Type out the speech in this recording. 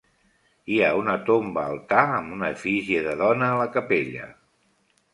Hi ha una tomba altar amb una efígie de dona a la capella.